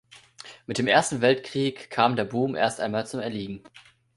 Mit dem Ersten Weltkrieg kam der Boom erst einmal zum Erliegen.